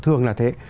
thường là thế